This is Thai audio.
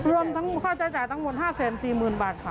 รวมค่าจ่ายทั้งหมด๕๔๐๐๐๐บาทค่ะ